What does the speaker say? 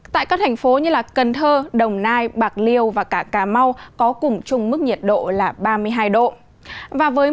tại các thành phố như cần thơ đồng nai bạc liêu và cả cà mau có cùng chung mức nhiệt độ là ba mươi hai độ